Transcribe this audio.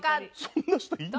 そんな人いるの？